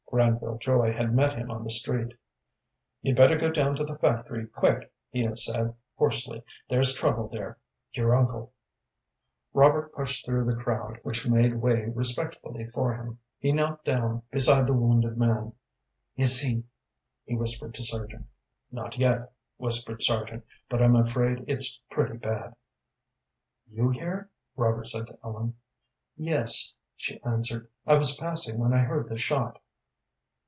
Granville Joy had met him on the street. "You'd better go down to the factory, quick," he had said, hoarsely. "There's trouble there; your uncle " Robert pushed through the crowd, which made way respectfully for him. He knelt down beside the wounded man. "Is he " he whispered to Sargent. "Not yet," whispered Sargent, "but I'm afraid it's pretty bad." "You here?" Robert said to Ellen. "Yes," she answered, "I was passing when I heard the shot."